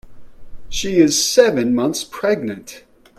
She is seven months pregnant.